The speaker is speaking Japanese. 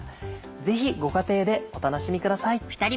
ぜひご家庭でお楽しみください。